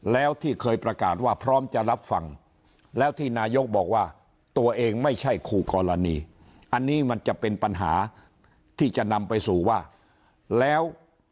แล้วที่เคยประกาศว่าพร้อมจะรับฟังแล้วที่นายกบอกว่าตัวเองไม่ใช่คู่กรณีอันนี้มันจะเป็นปัญหาที่จะนำไปสู่ว่าแล้ว